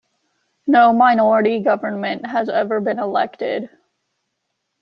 No minority government has ever been elected.